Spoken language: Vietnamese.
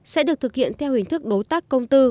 sẽ được thực hiện theo hình thức đối tác công tư